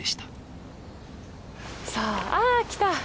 さあああ来た！